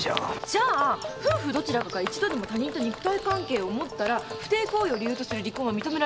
じゃあ夫婦どちらかが一度でも他人と肉体関係を持ったら不貞行為を理由とする離婚は認められるってことですか？